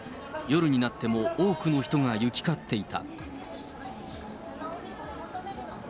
夜になっても多くの人が行き交っていた。